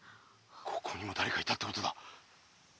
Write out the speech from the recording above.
ここにもだれかいたってことだ。